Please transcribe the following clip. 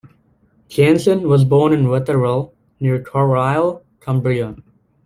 Jansen was born in Wetheral, near Carlisle, Cumbria.